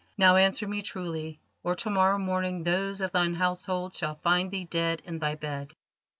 Now answer me truly, or to morrow morning those of thine household shall find thee dead in thy bed."